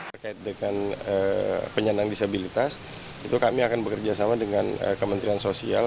terkait dengan penyandang disabilitas itu kami akan bekerja sama dengan kementerian sosial